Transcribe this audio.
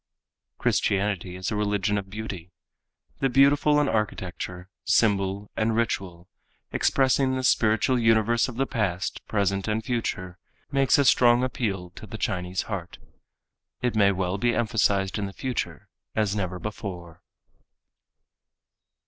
Christianity is a religion of beauty. The beautiful in architecture, symbol and ritual, expressing the spiritual universe of the past, present and future, makes a strong appeal to the Chinese heart. It may well be emphasized in the future as never before.